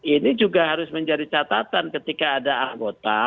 ini juga harus menjadi catatan ketika ada anggota